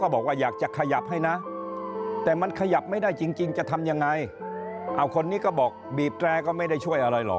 บอกว่าอยากจะขยับให้นะแต่มันขยับไม่ได้จริงจะทำยังไงเอาคนนี้ก็บอกบีบแตรก็ไม่ได้ช่วยอะไรหรอก